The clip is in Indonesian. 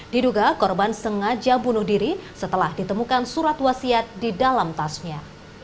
diduga korban sengaja bunuh diri setelah ditemukan surat wasiat di dalam tasnya